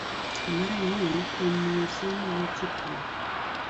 Mar ang'wen, kuom miyo somo weche pur